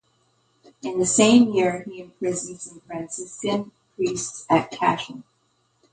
In the same year he imprisoned some Franciscan priests at Cashel.